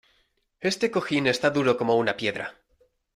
Este cojín está duro como una piedra.